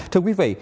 thưa quý vị